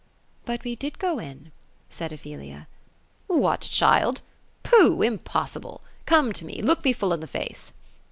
" But we did go in ;" said Ophelia. "What, child ? Pooh, impossibje ! Come to me; look me full in the face.''